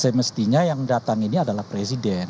semestinya yang datang ini adalah presiden